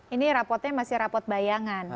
ini rapotnya masih rapot bayangan